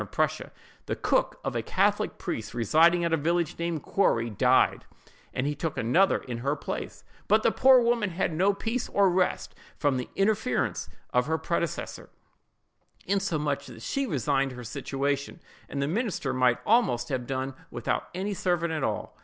of Prussia, the cook of a catholic priest residing at a village named Quarrey, died, and he took another in her place; but the poor woman had no peace or rest from the interference of her predecessor, insomuch that she resigned her situation, and the minister might almost have done without any servant at all.